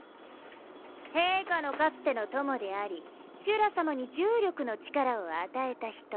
陛下のかつての友でありシュラさまに重力の力を与えた人。